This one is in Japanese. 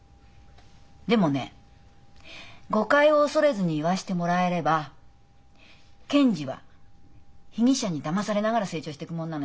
でもねえ誤解を恐れずに言わしてもらえれば検事は被疑者にだまされながら成長していくもんなのよ。